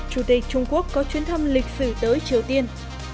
chủ tịch trung quốc có chuyến thăm lịch sử tới triều tiên